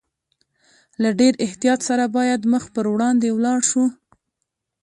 له ډېر احتیاط سره باید مخ پر وړاندې ولاړ شو.